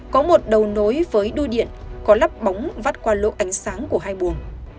có một đầu nối với đuôi điện có lắp bóng vắt qua lỗ ánh sáng của hai buồng